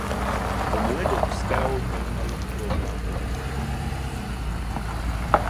Omuwendo ogusigalawo oluvannyuma lwókutoolwako guyitibwa Nfissi.